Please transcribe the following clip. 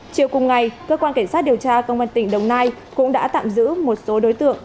chiều cùng ngày cơ quan cảnh sát điều tra công an tỉnh đồng nai cũng đã tạm giữ một số đối tượng